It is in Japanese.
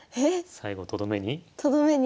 最後とどめに？